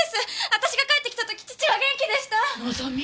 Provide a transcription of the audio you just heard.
私が帰ってきた時父は元気でした！望。